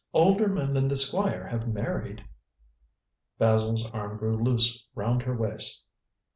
Older men than the Squire have married." Basil's arm grew loose round her waist.